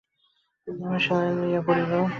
বলিয়া আবার সেলাই লইয়া পড়িল।